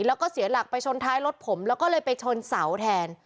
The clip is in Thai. แล้วก็เสียหลักไปชนท้ายรถผมแล้วก็เลยไปชนเสาแทน